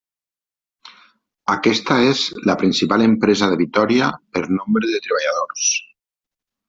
Aquesta és la principal empresa de Vitòria per nombre de treballadors.